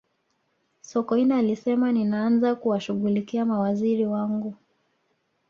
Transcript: sokoine alisema ninaanza kuwashughulikia mawaziri wangu